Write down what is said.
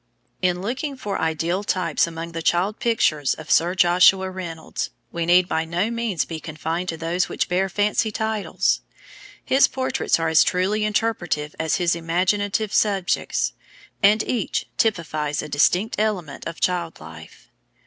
In looking for ideal types among the child pictures of Sir Joshua Reynolds, we need by no means be confined to those which bear fancy titles. His portraits are as truly interpretative as his imaginative subjects, and each typifies a distinct element of child life.